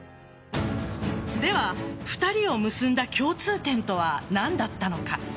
では２人を結んだ共通点とは何だったのか。